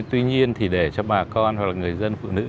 tuy nhiên thì để cho bà con hoặc là người dân phụ nữ